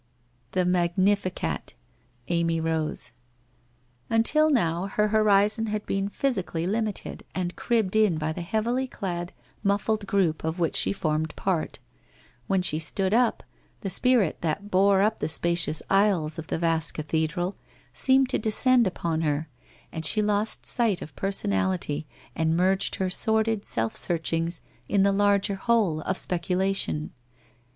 The Magnificat! Amy rose. Until now, her horizon had been physically limited and cribbed in by the heavily clad, muffled group of which she formed part ; when she stood up, the spirit that bore up the spacious aisles of the vast cathedral seemed to descend upon her, and she lost sight of personality and merged her sordid self searcbings in the larger whole of speculation.